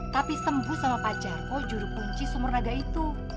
tapi sembuh sama pacarko juru kunci sumur naga itu